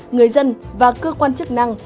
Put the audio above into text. người dân và cơ quan chức năng